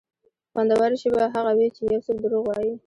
خوندوره شېبه هغه وي چې یو څوک دروغ وایي.